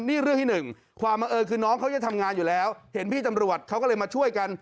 นี่เรื่องที่หนึ่งความบังเอิญคือน้องเขาจะทำงานอยู่แล้วเห็นพี่ตำรวจเขาก็เลยมาช่วยกัน